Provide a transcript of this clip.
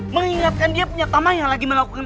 mengingatkan dia punya taman yang lagi melakukan